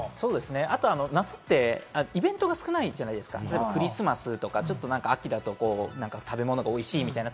あと夏ってイベントが少ないじゃないですか、クリスマスとか、ちょっと秋だと食べ物がおいしいみたいな。